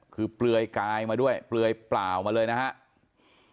คือเปลือยกายมาด้วยเปลือยเปล่ามาเลยนะครับ